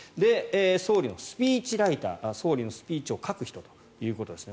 総理のスピーチライター総理のスピーチを書く人ということですね。